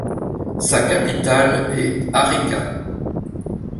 Sa capitale est Arica.